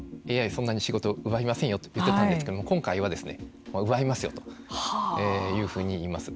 そんなに仕事を奪いませんと言ってたんですけれども今回は、奪いますよとというふうにいいます。